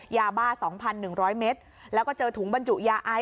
ยาบ้าสองพันหนึ่งร้อยเมตรแล้วก็เจอถุงบรรจุยาไอซ์